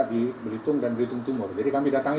di blitung dan blitung tumor jadi kami datang